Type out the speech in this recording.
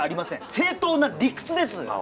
正当な理屈です！